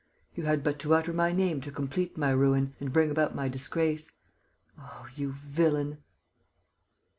You had but to utter my name to complete my ruin and bring about my disgrace!... Oh, you villain!..."